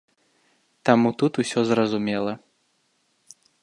Таму тут усё зразумела.